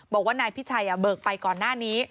บอกว่านายพิชัยเบิกไปก่อนหน้านี้